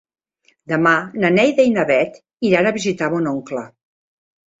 Demà na Neida i na Bet iran a visitar mon oncle.